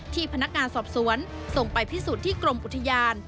พนักงานสอบสวนส่งไปพิสูจน์ที่กรมอุทยาน